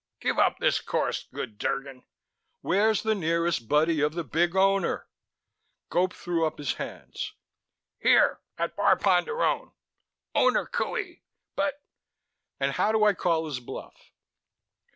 "Give up this course, good Drgon " "Where's the nearest buddy of the Big Owner?" Gope threw up his hands. "Here, at Bar Ponderone. Owner Qohey. But " "And how do I call his bluff?"